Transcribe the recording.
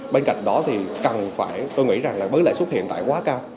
bên cạnh đó thì cần phải tôi nghĩ rằng là với lãi suất hiện tại quá cao